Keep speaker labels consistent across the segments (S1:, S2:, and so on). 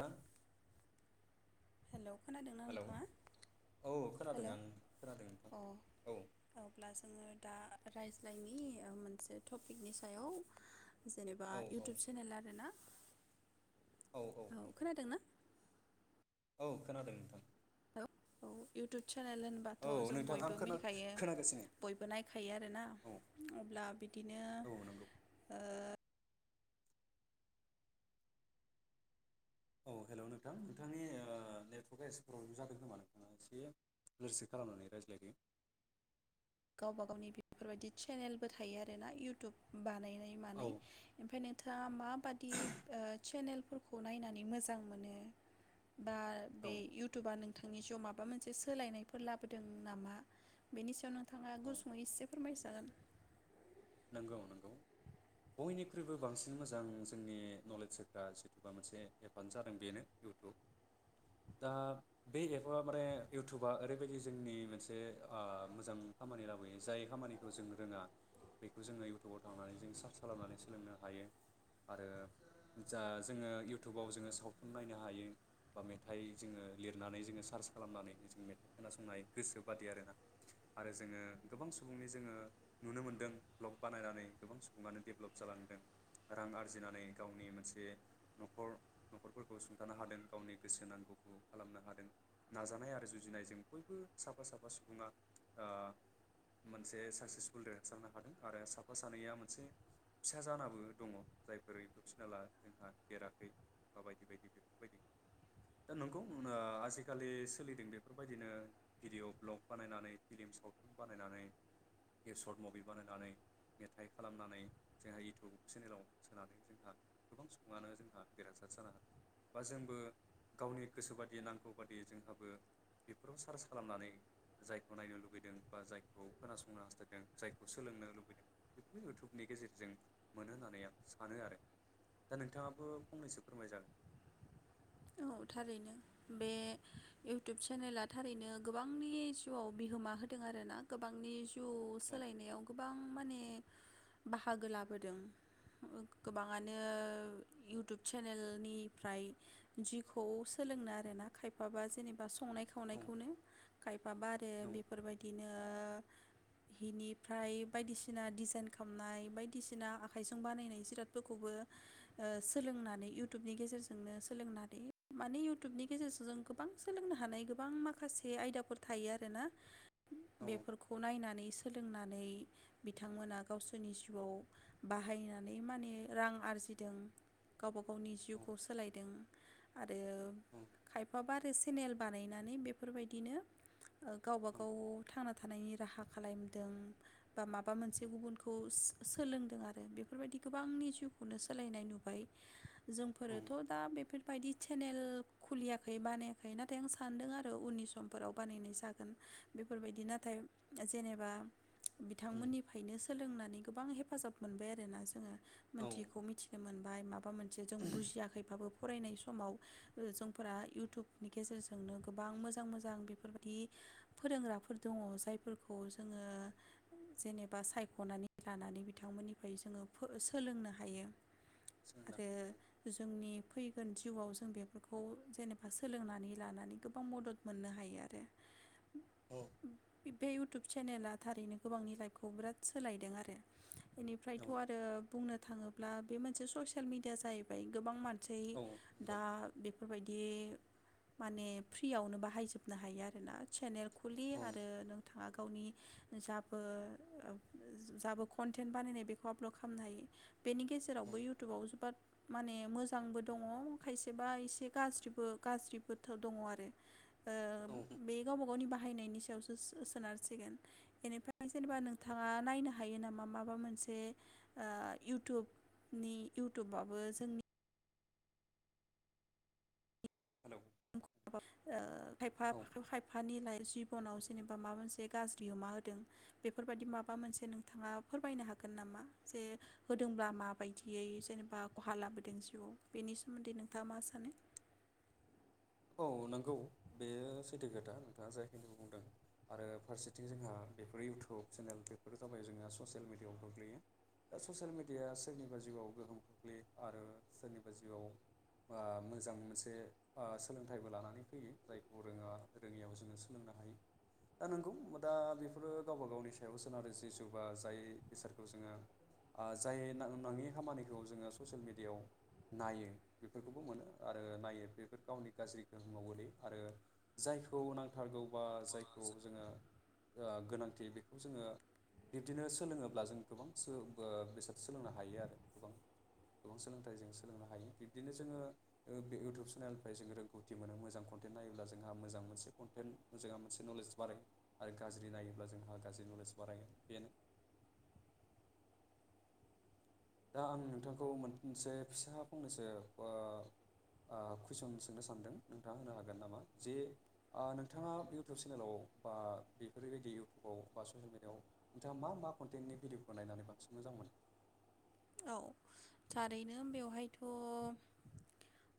S1: हा
S2: हेलौ खोनादोंना
S1: हेलौ
S2: नोंथाङा?
S1: औ खोनादों
S2: हेलौ
S1: आं खोनादों नोंथां
S2: अ
S1: औ
S2: अब्ला जोङो दा रायज्लायनि मोनसे टपिकनि सायाव जेनेबा
S1: औ
S2: इउटुब
S1: औ
S2: चेनेल आरोना
S1: औ औ नंगौ औ खोनादों नोंथां
S2: [unintelligible] औ इउटु चेनेल होनबाथ'
S1: औ
S2: जों
S1: नोंथां आं
S2: बयबो
S1: खोना
S2: मिथिखायो
S1: खोनागासिनो
S2: बयबो नायखायो आरोना
S1: औ
S2: अब्ला बिदिनो
S1: औ नंगौ
S2: ओ
S1: औ हेल' नोंथां नोंथांनि ओ नेटवर्कआ एसे प्रब्लेम जादों खोमा नोंथाङा एसे लोर सोर खालामनानै रायज्लायदो
S2: गावबा गावनि बेफोरबायदि चेनेलबो थायो आरोना इउटुब बानाय नाय
S1: औ
S2: मानाय ओमफाय नो थाङा माबायदि सेनेलफोरखौ नायनानै मोजां मोनो बा
S1: औ
S2: बे इउटुबा नों थांनि जिउआव माबा मोनसे सोलायनायफोर लाबोदों नामा बेनि सायाव नों थाङा
S1: औ
S2: गुसुङै एसे फोरमायजागोन
S1: नंगौ नंगौ बयनिख्रुइबो बांसिन मोजां जोंनि नलेज होग्रा जिथुबा मोनसे एपआनो जादों बेनो इउटुब दा बे एपआ माने इउटुबा ओरैबायदि जोंनि मोनसे ओ मोजां खामानि लाबोयो जाय खामानिखौ जों रोङा बेखौ जोङो इउटुबाव थांनानै जो सार्च खालामनानै सोलोंनो हायो आरो जा जोङो इयउटुबाव जोङो सावथुन नायनो हायो बा मेथाइ जोङो लिरनानै जोङो सार्च खालामनानै जों मेथाइ खोनासंनो हायो गोसो बायदि आरोना आरो जोङो गोबां सुबुंनि जोङो नुनो मोनदों ब्लक बानायनानै गोबां सुबुङानो डेभ्लप जालांदों रां आरजिनानै गावनि मोनसे न'खर न'खरफोरखौ सुंथानो हादों गावनि गोसो नांगौखौ खालामनो हादों नाजानाय आरो जुजिनायजों बयबो साफा साफा सुबुङा ओ मोनसे साक्सेसफुल देरहासारनो हादों आरो साफा सानैया मोनसे फिसा जानाबो दङ जायफोर इउटुब सेनेला जोंहा देराखै बा बायदि बायदि बेफोरबायदि दा नंगौ ओ आजिखालि सोलिदों बेफोरबायदिनो भिडअ भ्लग बानायनानै फिलिम सावथुन बानायनानै सर्ट मभि बानायनानै मेथाइ खालामनानै जोंहा इउटुब चेनेलाव सोनानै जोंहा गोबां सुबुङानो जोंहा देरहासार जानो हादों बा जोंबो गावनि गोसो बादि नांगौ बादि जोंहाबो बेफोराव सार्च खालामनानै जायखौ नायनो लुुबैदों बा जायखौ खोनासंनो हास्थायदों जायखौ खौ सोलोंनो लुबैदों बेखौनो इउटुबनि गेजेरजों मोनो होननानै आं सानो आरो दा नोंथाङाबो फंनैसो फोरमाय जागोन
S2: औ थारैनो बे इउटुब चेनेला थारैनो गोबांनि जिउआव बिहोमा होदों आरोना गोबांनि यु
S1: औ
S2: सोलायनायाव गोब बां माने बाहागो लाबोदों गोबाङानो इउटुब चेनेलनिफ्राय जिखौ सोलोंनो आरो ना खायफा बा जेनेबा संनाय
S1: औ
S2: खावनायखौनो खायफा बारो
S1: औ
S2: बेफोरबायदिनो हिनिफ्राय बायदिसिना डिजाइन खामनाय बायदिसिना आखाइजों बानायनाय जिरादफोरखौबो सोलोंनानै इउटुबनि गेजेरजोंनो सों सोलोंनानै माने उटुबनि गेजेरजों जों गोबां सोलोंनो हानाय गोबां माखासे आयदाफोर थायो आरोना
S1: औ
S2: बेफोरखौ नायनानै सोलोंनानै बिथांमोना गावसोरनि जिउआव बाहायनानै माने रां आरजिदों गावबा गावनि
S1: औ
S2: जिउखौ सोलायदों ओमफायो
S1: औ
S2: खायफाबा चेनेल बानायनानै बेफोरबायदिनो गावबा गाव थांनानै थानायनि राहा खालामबोदों बा माबा मोनसे गुबुनखौ सोलोंदों आरो बेफोरबायदि गोबांनि जिउखौनो सोलायनाय नुबाय
S1: औ
S2: जोंफोरोथ' दा बेफोर बेफोरबायायदि सेनेल खुलियाखै बानायाखै नाथाय आं सानदों आरो उननि समफोराव बानायनाय जागोन बेफोरबायदि नाथाय जेनेबा बिथांमोननिफ्रायनो सो- सोलोंनानै गोबां हेफाजाब मोनबाय आरोना जोङो
S1: औ
S2: मोनथियैखौ मिथिनो मोनबाय माबा मोनसे जों बुजियाखैबाबो फरायनाय समाव जोंफोरा इउटुबनि गेजेरजोंनो गोबां मोजां मोजां बेफोरबायदि फोरोंग्राफोर दङ जायफोरखौ जोङो
S1: औ
S2: जेनेबा सायख'नानै लानानै बिथांमोननिफ्राय जोङो सोलोंनो हायो
S1: सोलोंनो
S2: आरो
S1: हायो
S2: जोंनि फैगोन जिउआव जों बेफोरखौ जेनेबा सोलोंनानै लानानै गोबां मदद मोननो हायो आरो बे इउटुब चेनेला थारैनो गोबांनि लाइफखौ बिराद सोलायदों आरो
S1: औ
S2: बेनिफ्रायथ' आरो बुंनो थाङोब्ला बे मोनसे ससियेल मिडिया जाहैबाय गोबां मानसि
S1: औ
S2: सै
S1: नंगौ
S2: दा बेफोरबायदि बि माने फ्रियावनो बाहायजोबनो हायो आरोना सेनेल खुलि
S1: औ
S2: आरो नों बिथाङा गावनि जाबो जाबो कनटेन्ट बानायनाय बेखौ आपलड खालामनो हायो बेनि
S1: औ
S2: गेजेरावबो इउटुबाव जोबोद माने मोजां मोजांबो दङ' खायसेबा एसे गाज्रिबो गाज्रिबोथोर दङ' आरो ओ
S1: औ
S2: बे गावबा-गावनि बाहा बाहायनायनि सायावसो सोनारसिगोन बेनिफ्राय
S1: औ
S2: जेनेबा नोंथाङा नायनो हायो नामा माबा मोनसे ओ इउटुबनि इउटुबबाबो जोंनि
S1: हेलौ
S2: ओ खायफा
S1: औ
S2: खायफानि लाइ [unintelligible] जिबनाव जेनेबा माबा मोनसे गाज्रि अमा होदों बेफोरबायाददि माबा मोनसे नोंथाङा फोरमायनो हागोन नामा जे होदोंब्ला माबायदियै जेनेबा ख'हा लाबोदों जिउआव बेनि सोमोनदै नोंथाङा मा सानो?
S1: औ नंगौ बेयो सैथो खोथा नोंथाङा जायखिनि बुंदों आरो फारसेथिं जोंहा बेफोर इउटुब चेनेल बेफोर जाबाय जोंहा ससियेल मिडियाआव गोग्लैयो दा ससियेल मिडियाया सोरनिबा जिउआव गोहोम खोख्लैयो आरो सोरनिबा जिउआव ओ मोजां मोनसे ओ सोलोंथाइबो लानानै फैयो जायखौ रोङा रोङियाव जोङो सोलोंनो हायो दा नंगौ दा बेफोरो गावबा-गावनि सायाव सोनारो जि जु बा जाय बिसादखौ जोङो जाय नाङि खामानिखौ जोङो ससियेल मेडियायाव नायो बेफोरखौबो मोनो आरो नायो बेफोर गावनि गाज्रि गोहोमाव गोलै आरो जायखौ नांथारगौ बा जायखौ जोङो ओ गोनांथि बेखौ जोङो बिब्दिनो सोलोङोब्ला जों गोबां बेसाद सोलोंनो हायो आरो गोबां गोबां सोलोंथाइ जों सोलोंनो हायो बिब्दिनो जोङो इउटुब सेनेल ओमफ्राय जों रोंगौथि मोनो मोजां कनटेन्ट नायोब्ला जोंहा मोजां मोनसे कनटेन्ट मोजां मोनसे नलेज बारायो आरो गाज्रि नायोब्ला जोंहा गाज्रि नलेज बारायगोन बेनो दा आं नोंथांखौ मोनसे फिसा फंनैसो ओ ओ कुइसन सोंनो सानदों नोंथाङा होनो हागोन नामा जे नोंथाङा इउटुब चेनेलाव बा बेफोरबायदि इउटुबाव बा ससियेल मिडियआव नोंथाङा मा मा कन्टेन्टनि भिडिअफोर नायनानै बांसिन मोजां मोन
S2: औ थारैनो बेवहायथ'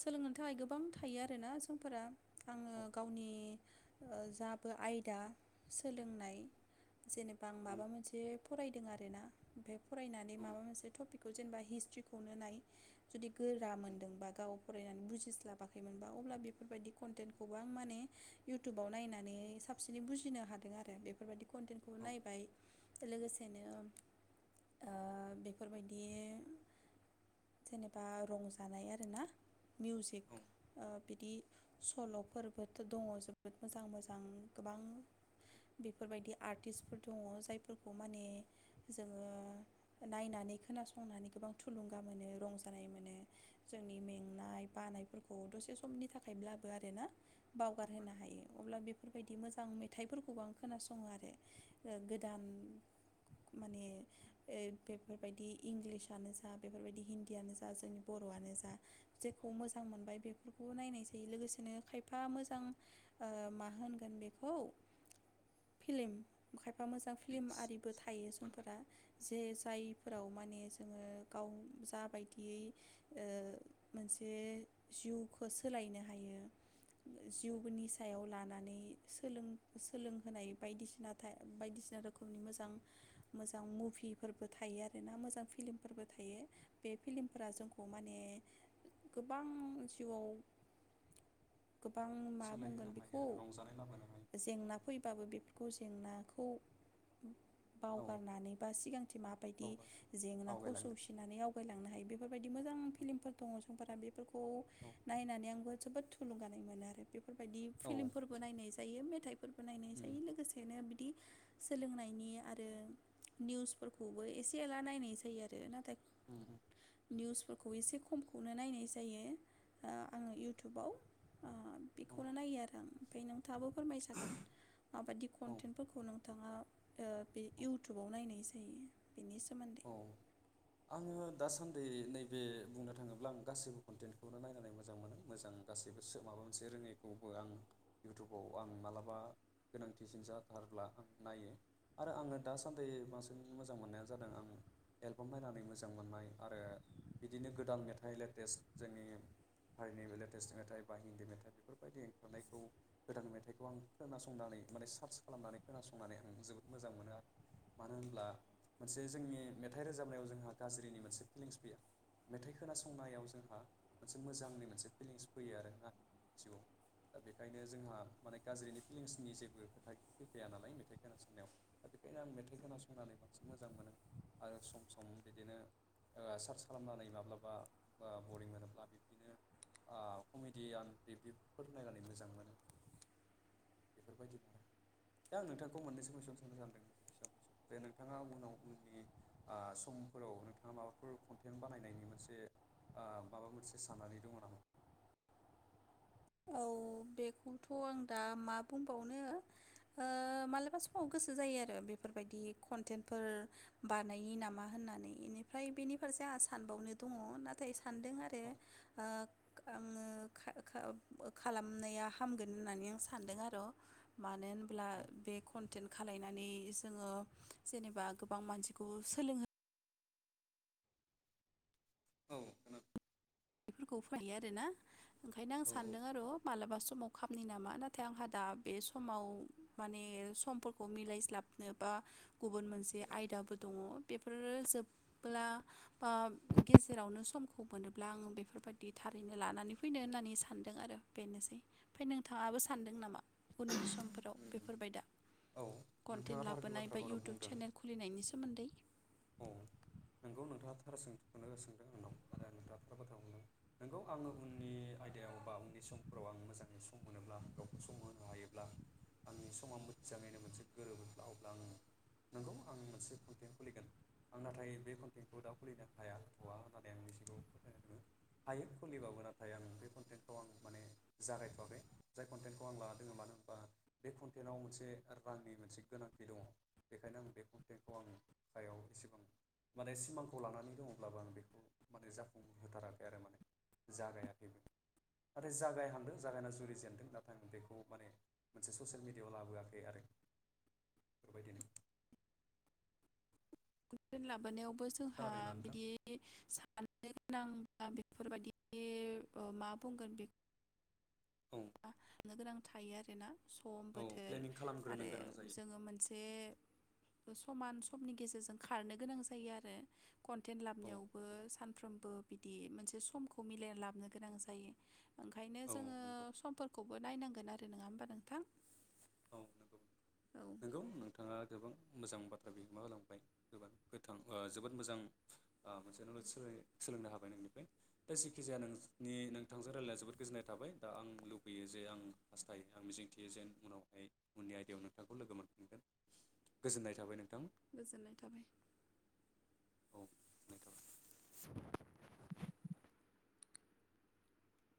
S2: सोलोंनो थाखाय गोबां थायो आरोना समफोरा आङो
S1: औ
S2: गावनि ओ जाबो आयदा सोलोंनाय जेनेबा आं
S1: औ
S2: माबा मोनसे फराय दों आरोना ओमफाय फरायनानै
S1: औ
S2: माबा मोनसे टपिकखौ जेनेबा हिस्ट्रिखौनो नाय जुदि गोरा मोन्दोंबा गावाव फरायनानै बुजिस्लाबाखैमोनबा अब्ला बेफोरबायदि कनटेनखौबो आं माने इउटुबाव नायनानै साबसिनै बुजिनो हादों आरो बेफोरबायदि कनटेनखौबो
S1: औ
S2: नायबाय लोगोसेनो ओ बे फोरबायदि जेनेबा रंजानाय आरोना मिउजिक
S1: औ
S2: ओ बिदि सल'फोरबोथ' दङ जोबोद मोजां मोजां गोबां बेफोरबायदि आर्टिस्टफोर दङ जायफोरखौ माने जोङो नायनानै खोनासंनानै गोबां थुलुंगा मोनो रंजानाय मोनो जोंनि मेंनाय बानायफोरखौ दसे समनि थाखायब्लाबो आरोना बावगारहोनो हायो अब्ला बेफोरबायदि मोजाङै थाइफोरखौबो आं‌ खोनासङो आरो ओ गोदान माने ओइ बेफोर बायदि इंलिसानो जा बेफोरबायदि हिन्दीयानो जा जोंनि बर'आनो जा जेखौ
S1: औ
S2: मोजां मोनबाय बेफोरखौ नायनाय जायो लोगोसेनो खायफा मोजां ओ मा होनगोन बेखौ फिलिम खाय फा मोजां फिल्म
S1: फिलिंस
S2: आरिबो थायो
S1: मोनदां
S2: संफोरा जे जायफ फोराव माने जोङो गाव जाबायदियै ओ मोनसे जिउखौ सोलायनो हायो जिउनि सायाव लानानै सोलों सोलोंहोनाय बायदिसिना थाइ बायदिसिना रोखोमनि मोजां मोजां मुभिफोरबो थायो आरो रोना मोजां फिलिमफोरबो थायो बे फिलिमफोरा जोंखौ माने गोबां जिउआव गोबां मा बुंगोन
S1: सोलायहोनो हायो
S2: बेखौ
S1: आरो रंजानाय लाबोनो हायो
S2: जेंना फैबाबो बे खौ जेंनाखौ
S1: औ
S2: बावगारनानै बा सिगांथिं माबायदि
S1: औ
S2: जेंनाखौ
S1: आवगायलांनो
S2: सौसिनानै आवगायलांनो नो हायो बेफोरबायदि मोजां फिलिमफोर दङ जोंफोरा बे फोरखौ
S1: हायो
S2: नायनानै आंबो जोबोद थुलुंगानाय मोनो आरो बे फोरबायदि
S1: औ
S2: फिल्मफोरबो नायनाय जायो मे फोरबो नायनाय जायो लोगोसेनो बि दि सोलोंनायनि आरो निउसफोरखौबो एसे से एला नायनाय जायो आरो नाथाय
S1: उम उम
S2: निउसफोरखौ एसे खमखौनो नायनाय जायो ओ आङो इउटुबाव ओ बेखौनो नायो आरो आं ओमफाय नों थाङाबो फोरमायजागोन माबायदि
S1: औ
S2: कन्टेटेनफोरखौ नोंथाङा ओ बे
S1: औ
S2: इउटुबाव नायनाय जायो बेनि सोमो
S1: औ आङो दासान्दै नैबे बुंनो थाङोब्ला आं गासैबो कनटेनखौनो नायनानै मोजां मोनो मोजां गासैबो माबा मोनसे रोङैखौबो आं इउटुबाव आं मालाबा गोनांथिसिन जाथारब्ला आं नायो आरो आङो दासान्दै बांसिन मोजां मोननाया जादों आं एलबाम नायनानै मोजां मोननाय आरो बिदिनो गोदान मेथाइ लेटेस्ट जोंनि हारिनि लेटेस्ट मेथाइ बा हिन्दी मेथाइ बेफोरबायदि ओंखारनायखौ गोदान मेथाइखौ आं खोनासंनानै माने सार्च खालामनानै खोनासंनानै आं जोबोद मोजां मोनो आरो मानो होनब्ला मोनसे जोंनि मेथाइ रोजाबनायाव जोंहा गाज्रिनि मोनसे फिलिंस फैया मेथाइ खोनासंनायाव जोंहा मोनसे मोजांनि मोनसे फिलिंस फैयो आरोना जिउआव दा बेखायनो जोंहा माने गाज्रिनि फिलिंसनि जेबो खोथा फैफाया नालाय मेथाइ खोनासंनायाव दा बेखायनो आं मेथाइ खोनासंनानै बांसिन मोजां मोनो आरो सम सम बिदिनो ओ सार्च खालामनानै माब्लाबा ओ बरिं मोनोब्ला बिब्दिनो ओ कमेडियान बिबदिफोर नायनानै मोजां मोनो बेफोरबायदिनो आरो दा आं नोंथांखौ मोननैसो कुइसन सोंनो सानदों कुइसन जे नोंथाङा उनाव उननि आ समफोराव नोंथाङा माबाफोर कनटेन बानायनायनि मोनसे ओ माबा मोनसे साननानै दङ नामा
S2: औ बेखौथ' आं दा मा बुंबावनो मालाबा समाव गोसो जायो आरो बेफोरबायदि कनटेनफोर बानायो नामा होननानै बेनिफ्राय बेनि फारसे आंहा सानबावनो दङ नाथाय सानदों आरो ओ आङो खालामनाया हामगोन होननानै आं सानदों आर मानो होनब्ला
S1: औ
S2: बे कनटेन खालायनानै जोङो जेनेबा गोबां मानसिखौ सोलोंहो।
S1: औ खोना
S2: बेफोरखौ फैायो आरोना ओंखायनो आं
S1: औ
S2: सानदों आरो मालाबा समाव खामनि नामा नाथाय आंहा दा बे समाव माने समफोरखौ मिलायस्लाबनो बा गुबुन मोनसे
S1: औ
S2: आयदाबो दङ। बेफोरो जोबब्ला आ बा गेजेरावनो समखौ मोनोब्ला आं बे बेफोरबायदि थारैनो लानानै फैनो होननानै सानदों आरो बेनोसै ओमफ्राय नोंथाङाबो सानदों नामा? उननि समफोराव बे फोरबाय दा
S1: औ
S2: कन्टेन्ट
S1: नोंथाङा थार
S2: लाबोनाय बा
S1: बाथ्राखौनो
S2: इउटुब
S1: बुंदों
S2: चेनेल खुलिनायनि सोमोन्दै
S1: औ नोंगौ नोंथाङा थार सोंखौनो सोंदों आंनाव आरो नोंथाङा थार बाथ्रा बुंदों नोंगौ आङो उननि आयदायाव बा उननि समफोराव आं मोजाङै सम मोनोब्ला गावखौ सम होनो हायोब्ला आंनि समा मोजाङैनो मोनसे गोरोबोब्ला अब्ला आं नोंगौ आं मोनसे कन्टेक्ट खुलिगोन। आं नाथाय बे कनटेन्टखौ दा खुलिनो हाया हथ'आ होननानै आं मिथिगौ फोथायनाय दङ हायो खुलिबाबो नाथाय आं बे कनटेन्टखौ आं माने जागायथ'वाखै जाय कनटेन्टखौ आं ला दङ मानो होनबा बे कनटेन्टाव मोनसे रांनि मोनसे गोनांथि दङ बेखायनो आं बे कनटेन्टखौ आं सायाव एसेबां माने सिमांखौ लानानै दङब्लाबो आं बेखौ माने जाफुंहोथाराखै आरो माने जागायाखैबो नाथाय जागायहांदों जागायना जुरिजेनदों नाथाय आं बेखौ माने मोनसे ससियेल मिेडियाआव लाबोआखै आरो बेफोर बायदिनो
S2: बेद [unintelligible] लाबोनायाव जोंहा
S1: खोनादोंना नोंथां
S2: बिदि दिन माननो गोनां [unintelligible] बेफोरबायदि मा बुंगोन बे
S1: औ।
S2: साननो गोनां थायो आरोना। सम
S1: औ
S2: बोथोर
S1: प्लेनिं खालामग्रोनो
S2: आरो
S1: गोनां जायो
S2: जोङो मोनसे समान समनि गेजेरजों खारनो गोनां जायो आरो। कन्टेन्ट
S1: औ
S2: लाबोनावबो
S1: नंगौ
S2: सानफ्रोमबो बिदि मोनसे समखौ मिलायना लाबोनो गोनां जायो। ओंखायनो
S1: औ नंगौ
S2: जोङो समफोरखौबो नायनांगोन आरो नङा होमबा नोंथां?
S1: औ नंगौ
S2: औ
S1: नंगौ नोंथाङा गोबां मोजां बाथ्रा बिहोमा होलांबाय गोथां जोबोद मोजां मोनसे नलेज सोलोंनो हाबाय नोंनिफ्राय दा जेखिजाया नोंनि नोंथांजों रायज्लाया जोबोद गोजोननाय थाबाय दा आं लुबैयो जे आं हास्थायो आं मिजिंथियो जे उनाव उननि आयदायाव नोंथांखौ लोगो मोनफिनगोन गोजोननाय थाबाय नोंथां।
S2: गोजोननाय थाबाय।
S1: औ गोजोननाय थाबाय।